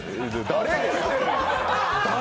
誰？